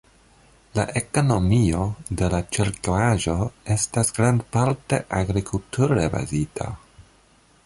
La ekonomio de la ĉirkaŭaĵo estas grandparte agrikulture bazita.